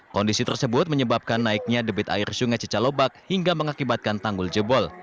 kondisi tersebut menyebabkan naiknya debit air sungai cicalobak hingga mengakibatkan tanggul jebol